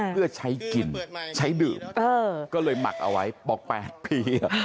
เพื่อใช้กินใช้ดื่มก็เลยหมักเอาไว้บอก๘ปี